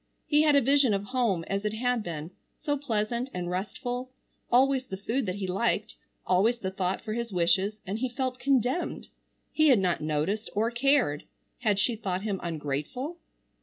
He had a vision of home as it had been, so pleasant and restful, always the food that he liked, always the thought for his wishes, and he felt condemned. He had not noticed or cared. Had she thought him ungrateful?